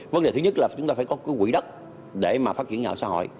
vấn đề thứ nhất là chúng ta phải có quỹ đất để phát triển nhà ở xã hội